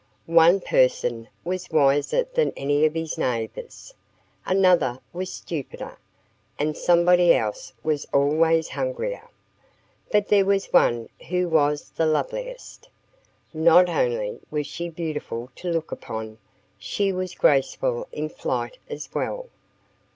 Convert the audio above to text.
One person was wiser than any of his neighbors; another was stupider; and somebody else was always hungrier. But there was one who was the loveliest. Not only was she beautiful to look upon. She was graceful in flight as well.